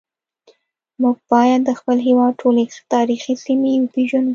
موږ باید د خپل هیواد ټولې تاریخي سیمې وپیژنو